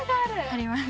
あります。